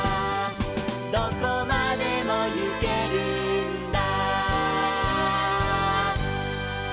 「どこまでもゆけるんだ」「」